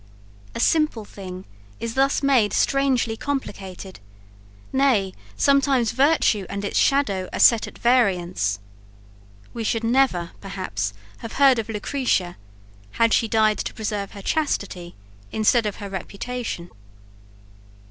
A simple thing is thus made strangely complicated; nay, sometimes virtue and its shadow are set at variance. We should never, perhaps, have heard of Lucretia, had she died to preserve her chastity instead of her reputation.